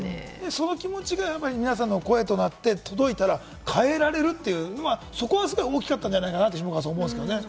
その気持ちが皆さんの声となって届いたら変えられるという、そこはすごく大きかったんじゃないかなと下川さん、思うんですけれども。